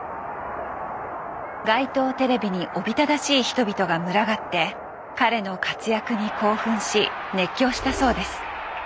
街頭テレビにおびただしい人々が群がって彼の活躍に興奮し熱狂したそうです。